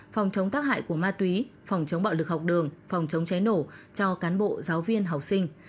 phòng chống tác hại của ma túy phòng chống bạo lực học đường phòng chống cháy nổ cho cán bộ giáo viên học sinh